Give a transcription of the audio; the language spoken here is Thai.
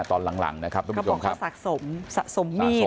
ตอนหลังหลังนะครับเพื่อนผู้ชมครับเขาบอกเขาสะสมสะสมมีด